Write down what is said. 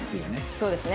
そうですね。